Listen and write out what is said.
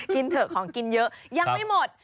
เถอะของกินเยอะยังไม่หมด